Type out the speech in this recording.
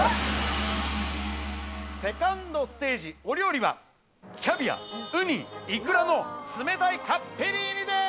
セカンドステージ、お料理は、キャビア・ウニ・イクラの冷たいカッペリーニです。